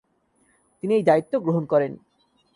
তিনি এই দায়িত্ব গ্রহণ করেন।